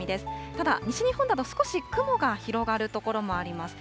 ただ西日本など少し雲が広がる所もあります。